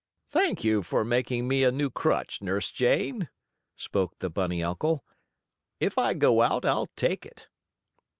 "Thank you for making me a new crutch, Nurse Jane," spoke the bunny uncle. "If I go out I'll take it."